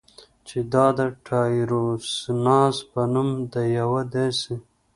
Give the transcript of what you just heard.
چې دا د ټایروسیناز په نوم د یوه داسې